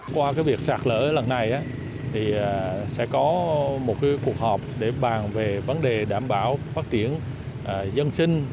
qua việc sạt lở lần này sẽ có một cuộc họp để bàn về vấn đề đảm bảo phát triển dân sinh